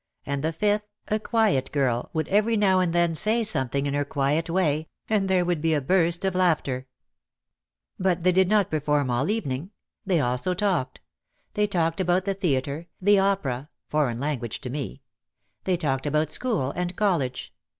And the fifth, a quiet girl, would every now and then say something in her quiet way and there would be a burst of laughter. But they did not perform 300 OUT OF THE SHADOW all evening. They also talked. They talked about the theatre, the opera (foreign language to me). They talked about school and college.